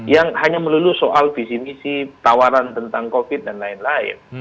yang hanya melulu soal visi misi tawaran tentang covid dan lain lain